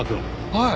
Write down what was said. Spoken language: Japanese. はい？